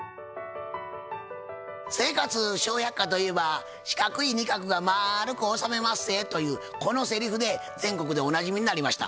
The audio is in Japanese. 「生活笑百科」といえば「四角い仁鶴がまるくおさめまっせ」というこのセリフで全国でおなじみになりました。